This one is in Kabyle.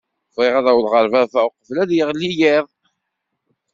Bɣiɣ ad awḍeɣ ɣer baba uqbel ad d-yeɣli yiḍ.